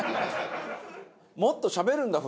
もっとしゃべるんだ？